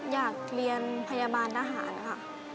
อยากเรียนพยาบาลทหารค่ะ